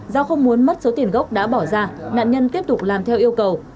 do không muốn mất số tiền gốc đã bỏ ra nạn nhân tiếp tục làm theo yêu cầu